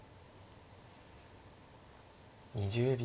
２０秒。